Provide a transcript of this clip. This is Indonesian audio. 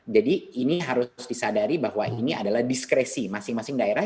jadi ini harus disadari bahwa ini adalah diskresi masing masing daerah